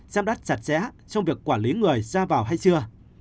giam đắt chặt chẽ trong việc quản lý người ra vào hay chưa